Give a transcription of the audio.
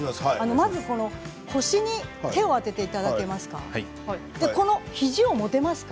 まず腰に手を当てていただいて肘を持てますか。